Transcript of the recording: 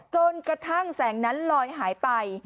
จนกระทั่งแสงนั้นลอยหายไป